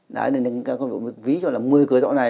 đấy nên nó có một ví cho là một mươi cửa gió này